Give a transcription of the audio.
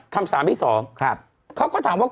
คำถามที่๒เขาก็ถามว่า